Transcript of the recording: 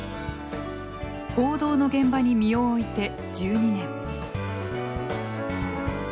報道の現場に身を置いて１２年。